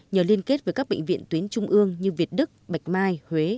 nhờ liên kết với các bệnh viện tuyến trung ương như việt đức bạch mai huế